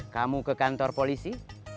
kamu ke kantor polisi